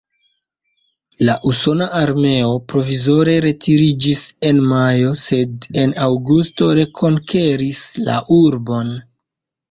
La usona armeo provizore retiriĝis en majo, sed en aŭgusto rekonkeris la urbon.